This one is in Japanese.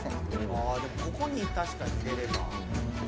ああでもここに確かに入れれば。